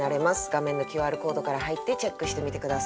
画面のＱＲコードから入ってチェックしてみて下さい。